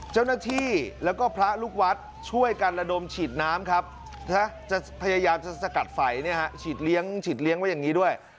เจ้าหน้าที่แล้วก็พระลูกวัดช่วยกันระดมฉีดน้ำครับจะพยายามจะสกัดไฟฉีดเลี้ยงไว้อย่างนี้ด้วย